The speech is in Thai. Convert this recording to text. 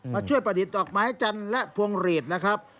มาช่วยประดิษฐ์ดอกไม้จันทร์และพวงหลีดนะครับ